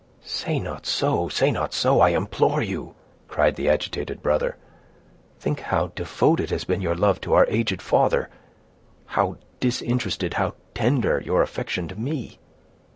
"Say not so—say not so, I implore you," cried the agitated brother. "Think how devoted has been your love to our aged father; how disinterested, how tender, your affection to me!"